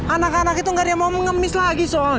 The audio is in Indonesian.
anak anak itu tidak mau mengemis lagi